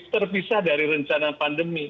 terpisah dari rencana pandemi